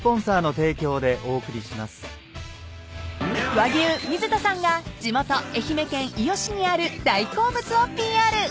［和牛水田さんが地元愛媛県伊予市にある大好物をＰＲ］